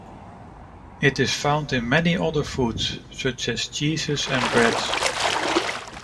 It is found in many other foods, such as cheeses and breads.